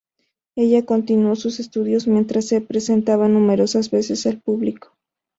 Ella continuó sus estudios mientras se presentaba numerosas veces al público.